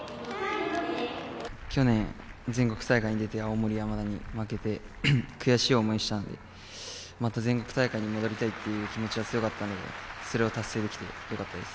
去年、全国大会に出て青森山田に負けて、悔しい思いをしたので、また全国大会に戻りたいっていう気持ちが強かったので、それを達成できてよかったです。